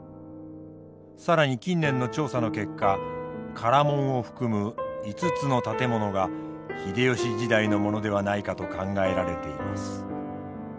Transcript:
更に近年の調査の結果唐門を含む５つの建物が秀吉時代のものではないかと考えられています。